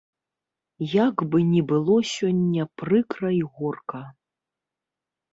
Як бы ні было сёння прыкра і горка.